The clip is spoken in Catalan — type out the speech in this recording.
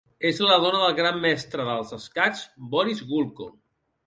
És la dona del gran mestre dels escacs Boris Gulko.